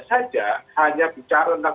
saja hanya bicara tentang